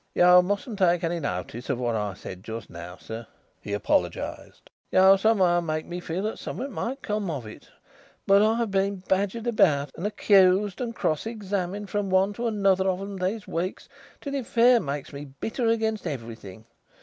"You mustn't take any notice of what I said just now, sir," he apologized. "You somehow make me feel that something may come of it; but I've been badgered about and accused and cross examined from one to another of them these weeks till it's fairly made me bitter against everything.